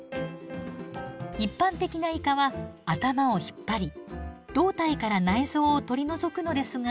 一般的なイカは頭を引っ張り胴体から内臓を取り除くのですが。